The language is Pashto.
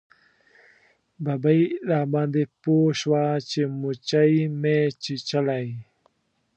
ببۍ راباندې پوه شوه چې موچۍ مې چیچلی.